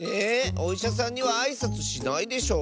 おいしゃさんにはあいさつしないでしょ？